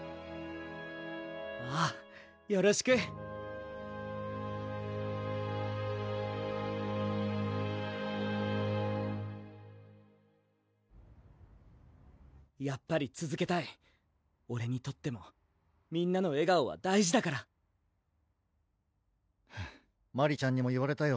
ああよろしくやっぱりつづけたいオレにとってもみんなの笑顔は大事だからマリちゃんにも言われたよ